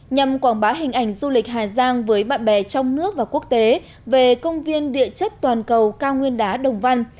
nhằm quảng bá hình ảnh du lịch hà giang với bạn bè trong nước và quốc tế về công viên địa chất toàn cầu cao nguyên đá đồng văn